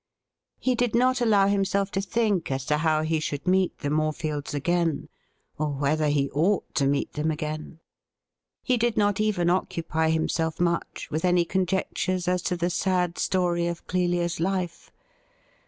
He did not allow himself to think as to how he should meet the Morefields again, or whether he ought to meet them again. THE SWEET SORROW OF PARTING 117 He did not even occupy himself much with any conjectures as to the sad story of Clelia's life.